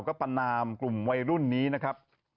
ก็ประนามกลุ่มวัยรุ่นนี้นะครับ